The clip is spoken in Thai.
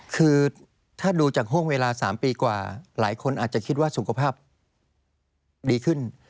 คือถ้าดูจากห่วงเวลา๓ปีกว่าหลายคนอาจจะคิดว่าสุขภาพดีขึ้น